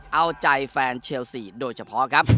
เอาใจแฟนเชลซีโดยเฉพาะครับ